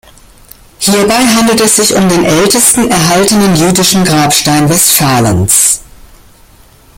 Hierbei handelt es sich um den ältesten erhaltenen jüdischen Grabstein Westfalens.